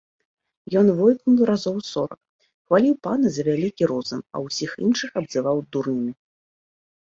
Ён войкнуў разоў сорак, хваліў пана за вялікі розум, а ўсіх іншых абзываў дурнямі.